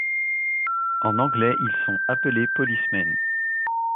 En anglais ils sont appelés Policemen.